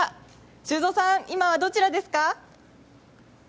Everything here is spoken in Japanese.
修造さん、いまはどちらですか？